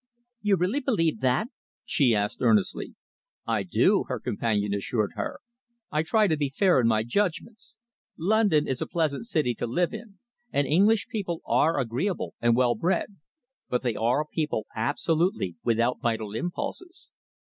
"You really believe that?" she asked earnestly. "I do," her companion assured her. "I try to be fair in my judgments. London is a pleasant city to live in, and English people are agreeable and well bred, but they are a people absolutely without vital impulses.